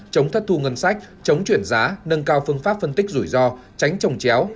chống thất thu ngân sách chống chuyển giá nâng cao phương pháp phân tích rủi ro tránh trồng chéo